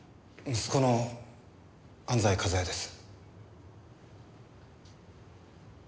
息子の安西和也です。